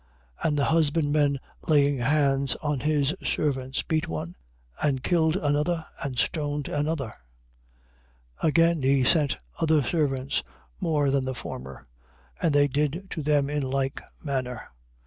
And the husbandmen laying hands on his servants, beat one and killed another and stoned another. 21:36. Again he sent other servants, more than the former; and they did to them in like manner. 21:37.